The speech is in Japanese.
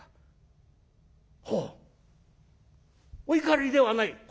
お怒りではない？」。